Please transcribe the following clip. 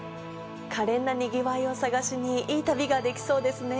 可憐なにぎわいを探しにいい旅ができそうですね。